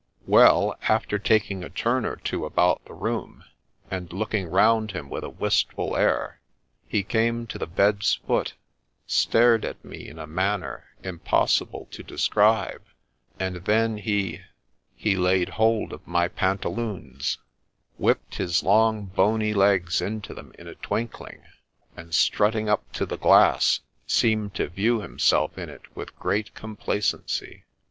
' Well, after taking a turn or two about the room, and looking round him with a wistful air, he came to the bed's foot, stared at me in a manner impossible to describe, — and then he — he laid hold of my pantaloons ; whipped his long bony legs into them in a twinkling ; and strutting up to the glass, seemed to view himself in it with great complacency.